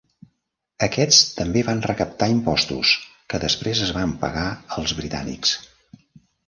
Aquests també van recaptar impostos, que després es van pagar als britànics.